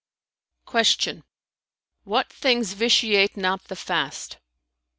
Q "What things vitiate not the fast?"